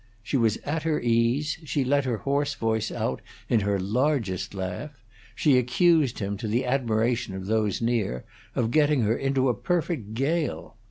She was at her ease; she let her hoarse voice out in her largest laugh; she accused him, to the admiration of those near, of getting her into a perfect gale.